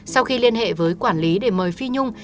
sau khi liên hệ với quản lý để mời phi nhung